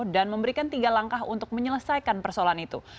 dan memberikan tiga langkah untuk menyelesaikan persoalan itu